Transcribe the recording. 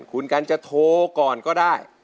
คุณกันจะโทรก่อนก็ได้